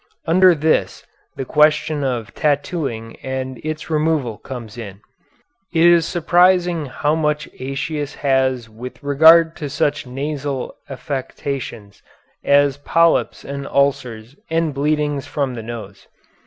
Under this the question of tattooing and its removal comes in. It is surprising how much Aëtius has with regard to such nasal affections as polyps and ulcers and bleedings from the nose.